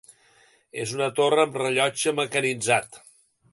És una torre amb rellotge mecanitzat.